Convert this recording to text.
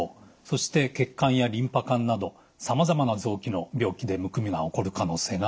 そして血管やリンパ管などさまざまな臓器の病気でむくみが起こる可能性があります。